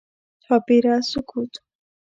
چاپېره سکوت و.